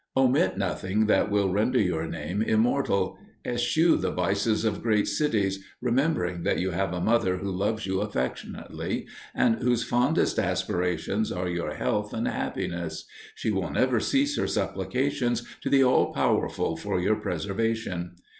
Omit nothing that will render your name immortal. Eschew the vices of great cities, remembering that you have a mother who loves you affectionately, and whose fondest aspirations are your health and happiness. She will never cease her supplications to the All powerful for your preservation.